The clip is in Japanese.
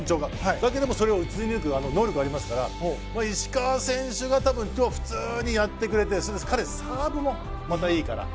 だけどもそれを打ち抜く能力がありますから石川選手が多分今日普通にやってくれて彼、サーブもまた、いいから。